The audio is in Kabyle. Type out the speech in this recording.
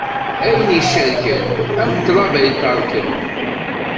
Ayen icerken, am tlaba iterken.